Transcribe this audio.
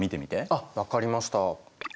あっ分かりました。